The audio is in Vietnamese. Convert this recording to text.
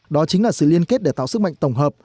đó chính là sự liên kết để tạo sức mạnh tổng hợp